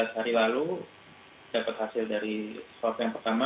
empat belas hari lalu dapat hasil dari swab yang pertama